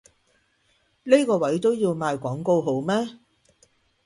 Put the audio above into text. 呢個位都要賣廣告好咩？